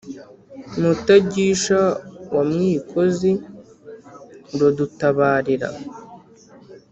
Mutagisha wa Mwikozi uradutabarira.